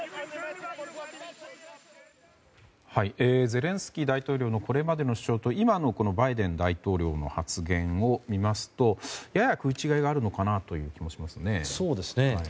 ゼレンスキー大統領のこれまでの主張と今のバイデン大統領の発言を見ますとやや食い違いがあるのかなという気もしますね。